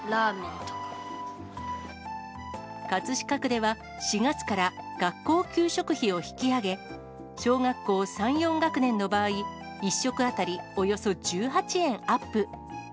葛飾区では、４月から学校給食費を引き上げ、小学校３、４学年の場合、１食当たりおよそ１８円アップ。